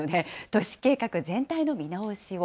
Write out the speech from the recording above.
都市計画全体の見直しを。